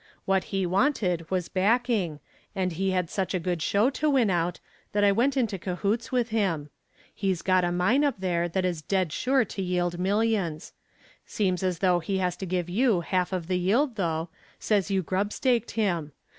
What he wanted was backing and he had such a good show to win out that I went into cahoots with him. He's got a mine up there that is dead sure to yield millions. Seems as though he has to give you half of the yield, though. Says you grub staked him.